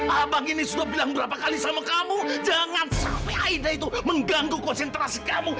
abang ini sudah bilang berapa kali sama kamu jangan sampai dia itu mengganggu konsentrasi kamu